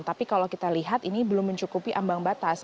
tapi kalau kita lihat ini belum mencukupi ambang batas